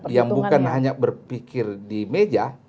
yang bukan hanya berpikir di meja